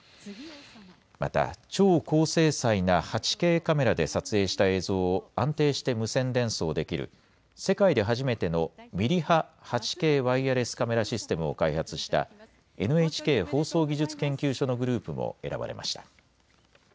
また、超高精細な８Ｋカメラで撮影した映像を安定して無線伝送できる、世界で初めてのミリ波８Ｋワイヤレスカメラシステムを開発した、ＮＨＫ放送技術研究所のグループも選ばれました。